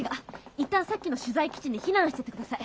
一旦さっきの取材基地に避難しててください。